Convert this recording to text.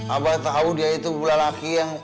abah tau dia itu pula laki yang